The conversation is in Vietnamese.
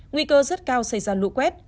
nguy cơ rất cao xảy ra lũ quét